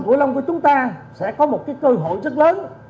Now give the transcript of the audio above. bộ giao thông của chúng ta sẽ có một cơ hội rất lớn